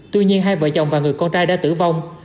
tuy nhiên hai vợ chồng và người con trai đã tử vong